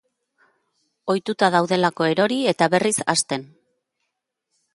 Ohituta daudelako erori eta berriz hasten.